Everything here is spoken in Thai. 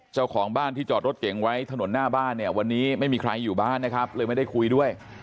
เจ้าของบ้านที่จอดรถเก่งไว้ถนนหน้าบ้านเนี่ยวันนี้ไม่มีใครอยู่บ้านนะครับเลยไม่ได้คุยด้วย